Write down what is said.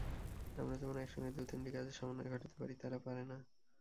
আমরা যেমন একসঙ্গে দু-তিনটি কাজের সমন্বয় ঘটাতে পারি, তারা পারে না।